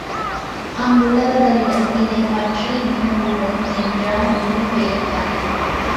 அங்குள்ளவர்களிடம் இதைப் பற்றி வினவுவோம் என்றார் மொழி பெயர்ப்பாளர்.